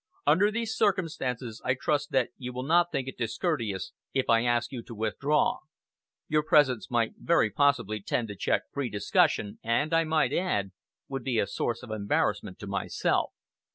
Under these circumstances, I trust that you will not think it discourteous if I ask you to withdraw. Your presence might very possibly tend to check free discussion, and, I might add, would be a source of embarrassment to myself."